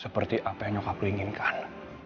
seperti apa yang kamu inginkan